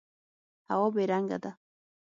هوا بې رنګه ده.